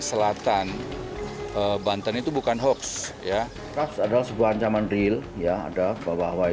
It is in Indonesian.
seorang penyakit ter smark pertakaman banyak ber acresasi